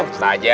nggak usah aja